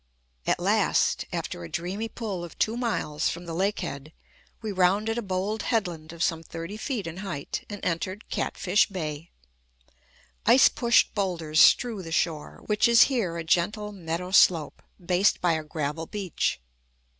At last, after a dreamy pull of two miles from the lake head, we rounded a bold headland of some thirty feet in height, and entered Catfish Bay. Ice pushed bowlders strew the shore, which is here a gentle meadow slope, based by a gravel beach.